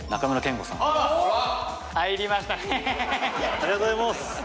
ありがとうございます。